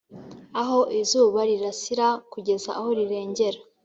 aho izuba rirasira kugeza aho rirengera